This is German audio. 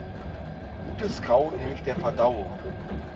Gutes Kauen hilft der Verdauung.